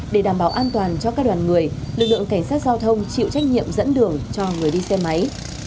để đảm bảo an toàn cho các đoàn người lực lượng cảnh sát giao thông chịu trách nhiệm dẫn đường cho người đi xe máy